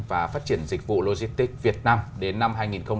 và phát triển dịch vụ logistics việt nam đến năm hai nghìn hai mươi năm